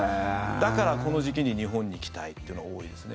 だから、この時期に日本に来たいというのが多いですね。